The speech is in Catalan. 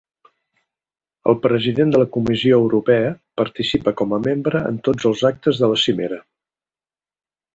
El president de la Comissió Europea participa com a membre en tots els actes de la cimera.